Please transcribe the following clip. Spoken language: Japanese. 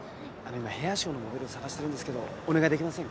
今ヘアショーのモデルを探してるんですけどお願いできませんか？